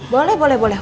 boleh boleh boleh